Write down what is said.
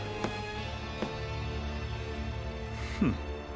フッ。